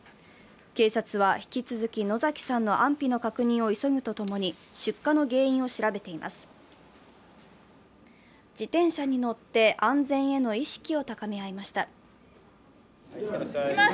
警察は引き続き野崎さんの安否の確認を急ぐとともに出火の原因を調べています。